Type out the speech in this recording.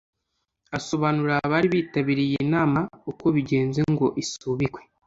Asobanurira abari bitabiriye iyi nama uko bigenze ngo isubikwe